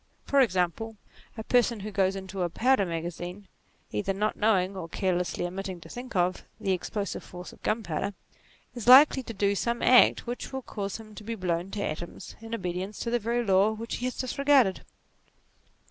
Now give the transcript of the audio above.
For example, a person who goes into a powder magazine either not knowing, or carelessly omitting to think of, the ex plosive force of gunpowder, is likely to do some act which will cause him to be blown to atoms in obedi ence to the very law which he has disregarded.